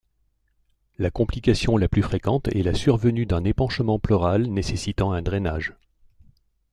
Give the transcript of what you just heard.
La complication la plus fréquente est la survenue d'un épanchement pleural nécessitant un drainage.